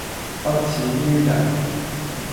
不齒於人